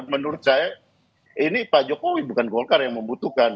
menurut saya ini pak jokowi bukan golkar yang membutuhkan